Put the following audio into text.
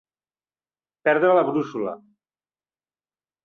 Perdre la brúixola.